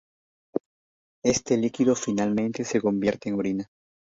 Este líquido finalmente se convierte en orina.